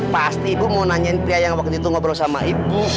pasti ibu mau nanyain pria yang waktu itu ngobrol sama ibu